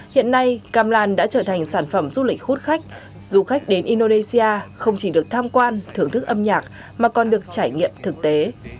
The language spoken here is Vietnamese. hiện nay gamlan đã trở thành sản phẩm du lịch hút khách du khách đến indonesia không chỉ được tham quan thưởng thức âm nhạc mà còn được trải nghiệm thực tế